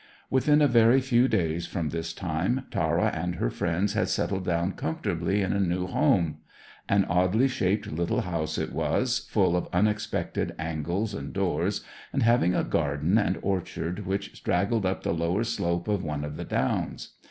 Within a very few days from this time, Tara and her friends had settled down comfortably in a new home. An oddly shaped little house it was, full of unexpected angles and doors, and having a garden and orchard which straggled up the lower slope of one of the Downs.